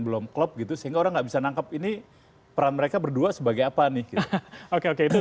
belum klop gitu sehingga orang nggak bisa nangkep ini peran mereka berdua sebagai apa nih oke oke itu